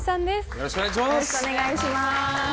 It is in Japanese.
よろしくお願いします。